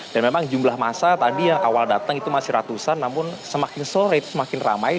dan memang jumlah massa tadi yang awal datang itu masih ratusan namun semakin sore itu semakin ramai